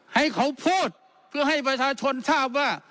ให้เขาพูดเพื่อให้ประชาชนทราบว่า